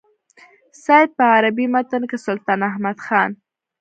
سید په عربي متن کې سلطان احمد خان.